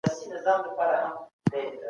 نن سياسي بهير يوازي د فارغو خلګو کار ندی.